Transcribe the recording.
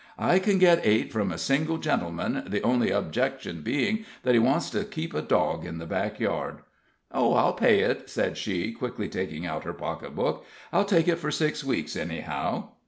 "I can get eight from a single gentleman, the only objection being that he wants to keep a dog in the back yard." "Oh, I'll pay it," said she, quickly taking out her pocketbook. "I'll take it for six weeks, anyhow."